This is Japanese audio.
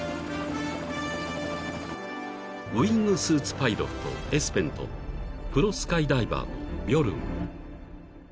［ウイングスーツパイロットエスペンとプロスカイダイバーのビョルン］